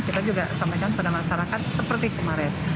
kita juga sampaikan pada masyarakat seperti kemarin